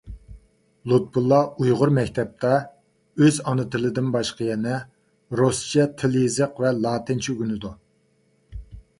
لۇتپۇللا ئۇيغۇر مەكتەپتە ئۆز ئانا تىلىدىن باشقا يەنە رۇسچە تىل-يېزىق ۋە لاتىنچە ئۆگىنىدۇ.